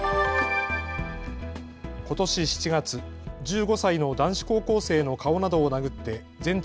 ことし７月、１５歳の男子高校生の顔などを殴って全治